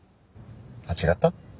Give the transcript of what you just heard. あっ違った？